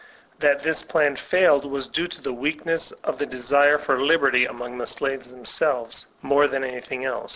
That this plan failed was due to the weakness of the desire for liberty amoqg the slaves themselves, more than anything else.